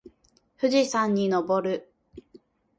富士山にのぼる。